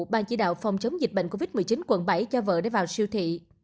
ban chỉ đạo phòng chống dịch bệnh covid một mươi chín quận bảy cho vợ để vào siêu thị